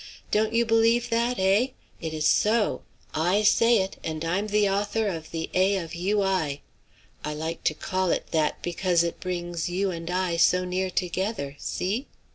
Don't you believe that? eh? it is so! I say it, and I'm the author of the A. of U. I. I like to call it that, because it brings you and I so near together; see?"